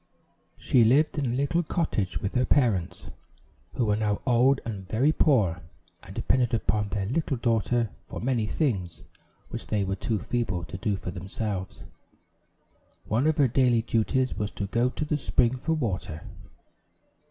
She lived in a little cottage with her parents, who were now old and very poor, and depended upon their little daughter for many things which they were too feeble to do for themselves. One of her daily duties was to go to the spring for water.